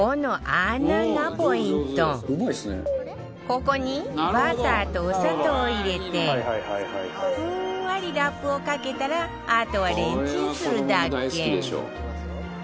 ここにバターとお砂糖を入れてふんわりラップをかけたらあとはレンチンするだけ